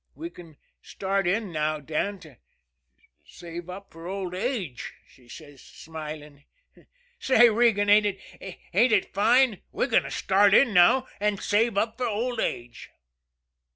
'We can start in now, Dan, to save up for old age,' she says, smiling. Say, Regan, ain't it ain't it fine? We're going to start in now and save up for old age."